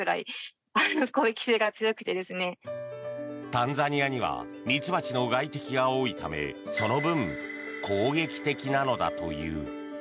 タンザニアには蜜蜂の外敵が多いためその分、攻撃的なのだという。